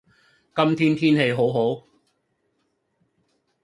今日天氣好好